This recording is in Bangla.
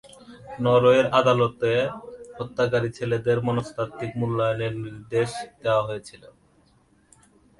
নরওয়ের আদালতে হত্যাকারী ছেলেদের মনস্তাত্ত্বিক মূল্যায়নের নির্দেশ দেওয়া হয়েছিল।